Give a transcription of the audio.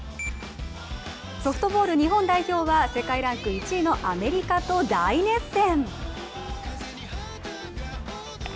ソフトボール日本代表は世界ランク１位のアメリカと大熱戦。